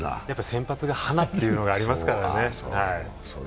先発が花というのがありますからね。